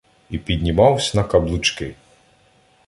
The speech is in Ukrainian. І піднімавсь на каблучки.